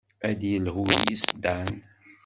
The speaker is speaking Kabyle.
Ad d-yelhu yes-s Dan.